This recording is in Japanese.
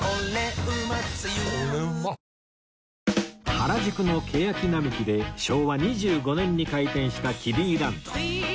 原宿のケヤキ並木で昭和２５年に開店したキデイランド